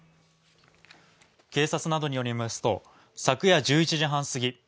警察などによりますと昨夜１１時半すぎ